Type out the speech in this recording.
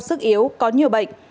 sức yếu có nhiều bệnh